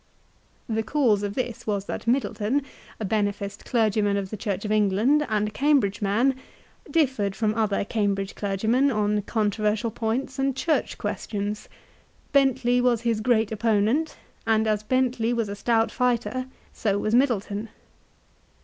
The cause of this was that Middleton, a beneficed clergyman of the Church of England, and a Cambridge man, differed from other Cam bridge clergymen on controversial points and church questions. Bentley was his great opponent, and as Bentley was a stout fighter, so was Middleton.